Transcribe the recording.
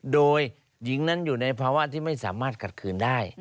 โดยหญิงนั้นอยู่ในภาวะที่ไม่สามารถขัดคืนได้